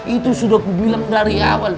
itu sudah kubilang dari awal